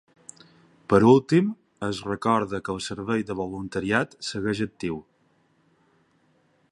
Per últim, es recorda que el servei de voluntariat segueix actiu.